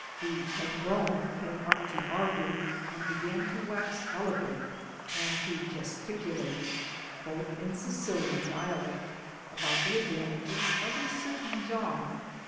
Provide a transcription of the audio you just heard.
The "padrone" came up to our group and began to wax eloquent and to gesticulate (both in Sicilian dialect) about the advantages of a certain job.